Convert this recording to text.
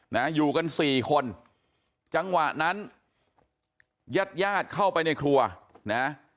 นะอยู่กันสี่คนจังหวะนั้นญาติญาติเข้าไปในครัวนะ